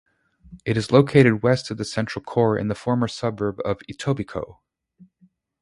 It is located west of the central core in the former suburb of Etobicoke.